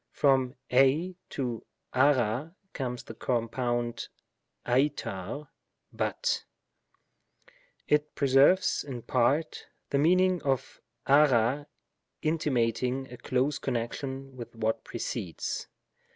From av and uqu comes the compound avraQy ^^lut; " it preserves in part, the meaning of aga^ intimating a close connection with what precedes.